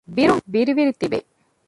ބިރުން ވިރި ވިރި ތިބޭ